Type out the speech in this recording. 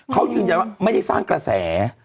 เขายืนยันว่าไม่ได้สร้างกระแส